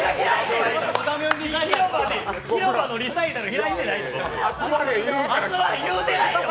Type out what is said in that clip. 広場のリサイタル開いてないやん！